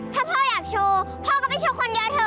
ถ้าพ่ออยากโชว์พ่อก็ไปโชว์คนเดียวเถ